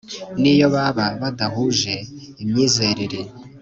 niyo baba badahuje imyizerere .